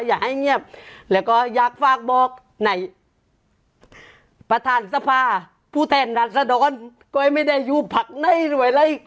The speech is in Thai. อย่าให้เงียบและก็อยากฝากบอกไหนผรฐานสภาพูดแทนนักสดรก้อยไม่ได้อยู่ผักในอยู่ไหน